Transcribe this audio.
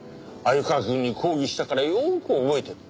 鮎川くんに抗議したからよく覚えてる。